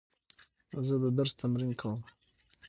زه د درس تمرین کوم.